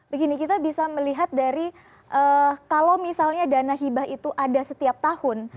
begini kita bisa melihat dari kalau misalnya dana hibah itu ada setiap tahun